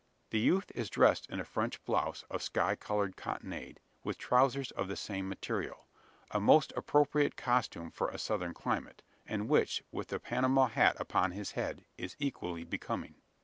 The youth is dressed in a French blouse of sky coloured "cottonade," with trousers of the same material; a most appropriate costume for a southern climate, and which, with the Panama hat upon his head, is equally becoming.